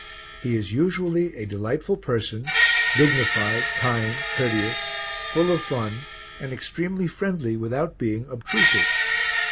He is usually a delightful person, dignified, kind, courteous, full of fun and extremely friendly without being obtrusive.